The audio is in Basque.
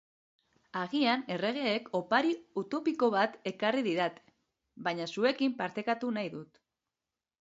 Agian erregeek opari utopiko bat ekarri didate, baina zuekin partekatu nahi dut.